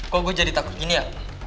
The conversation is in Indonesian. kok gue jadi takut gini ya